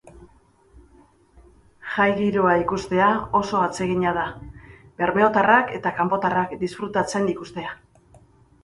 Jai giroa ikustea oso atsegina da, bermeotarrak eta kanpotarrak disfrutatzen ikustea.